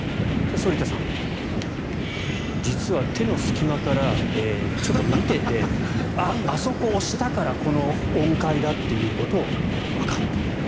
反田さん、実は手の隙間からちょっと見ていてあ、あそこ押したからこの音階だということをわかっていた。